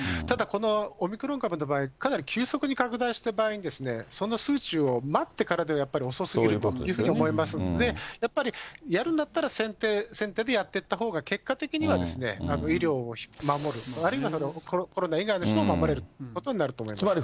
ただこのオミクロン株の場合、かなり急速に拡大した場合に、その数値を待ってからではやっぱり遅すぎるというふうに思いますので、やっぱりやるんだったら、先手先手でやっていったほうが結果的には医療を守る、あるいは、コロナ以外の人を守れるということになると思います。